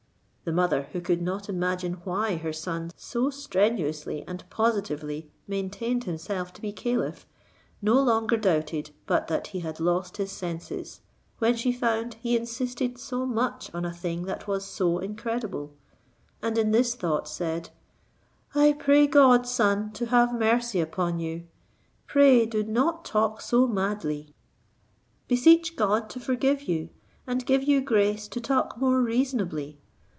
The mother, who could not imagine why her son so strenuously and positively maintained himself to be caliph, no longer doubted but that he had lost his senses, when she found he insisted so much on a thing that was so incredible; and in this thought said, "I pray God, son, to have mercy upon you! Pray do not talk so madly. Beseech God to forgive you, and give you grace to talk more reasonably.